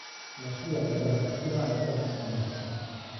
La sua imbracatura è stata manomessa.